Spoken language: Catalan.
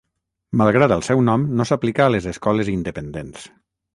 Malgrat el seu nom, no s'aplica a les escoles independents.